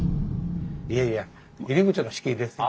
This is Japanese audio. いやいや入り口の敷居ですよ。